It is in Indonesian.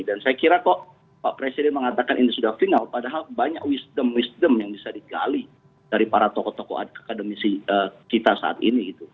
dan saya kira kok pak presiden mengatakan ini sudah final padahal banyak wisdom wisdom yang bisa digali dari para tokoh tokoh akademisi kita saat ini